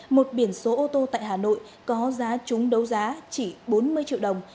một biển số ô tô tại hà nội có giá trúng đấu giá chỉ bốn mươi triệu đồng